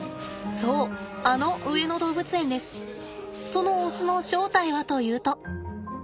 そのオスの正体はというと。